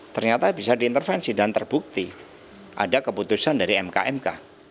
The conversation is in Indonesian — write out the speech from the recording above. ternyata bisa diintervensi dan terbukti ada keputusan dari mkmk